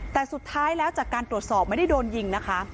แต่สุดท้ายแล้วจากการตรวจสอบไม่ได้โดนยิงนะคะ